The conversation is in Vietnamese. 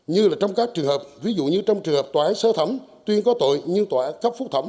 như là trong các trường hợp ví dụ như trong trường hợp tòa án sơ thẩm tuyên có tội như tòa cấp phúc thẩm